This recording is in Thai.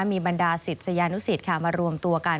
มีบรรดาศิษยานุศิษย์ค่ะมารวมกัน